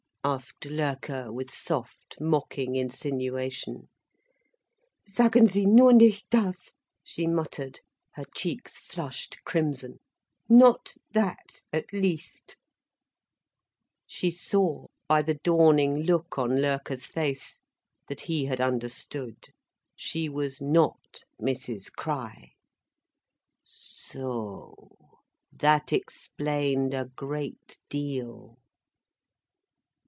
asked Loerke, with soft, mocking insinuation. "Sagen Sie nur nicht das," she muttered, her cheeks flushed crimson. "Not that, at least." She saw, by the dawning look on Loerke's face, that he had understood. She was not Mrs Crich! So o , that explained a great deal.